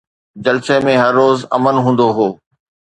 جلسي ۾ هر روز امن هوندو هو